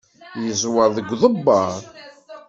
Yeẓwer deg uḍebber.